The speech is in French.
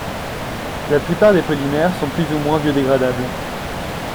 La plupart des polymères sont plus ou moins biodégradables.